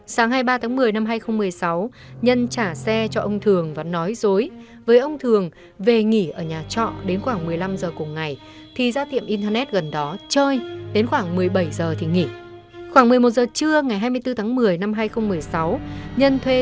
sáng hai mươi ba tháng một mươi năm hai nghìn một mươi sáu nhân trả xe cho ông thường và nói dối với ông thường về nghỉ ở nhà trọ đến khoảng một mươi năm giờ cùng ngày